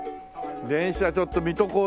電車ちょっと見とこうよ！